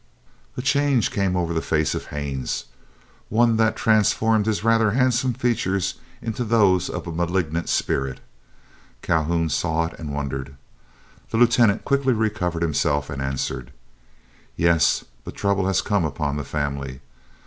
A change came over the face of Haines—one that transformed his rather handsome features into those of a malignant spirit. Calhoun saw it and wondered. The Lieutenant quickly recovered himself, and answered: "Yes, but trouble has come upon the family.